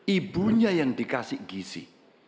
ibunya yang dikasih gizi